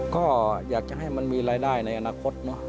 ก็อยากจะให้มันมีรายได้ในอนาคตเนอะ